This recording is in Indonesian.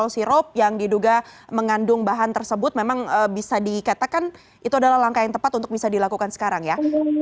sirup yang diduga mengandung bahan tersebut memang bisa dikatakan itu adalah langkah yang tepat untuk bisa dilakukan sekarang ya